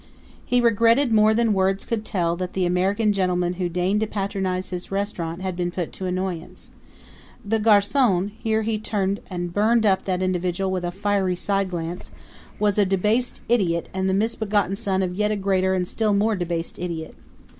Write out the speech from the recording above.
He regretted more than words could tell that the American gentlemen who deigned to patronize his restaurant had been put to annoyance. The garcon here he turned and burned up that individual with a fiery sideglance was a debased idiot and the misbegotten son of a yet greater and still more debased idiot.